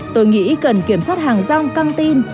tôi nghĩ cần kiểm soát hàng rong căng tin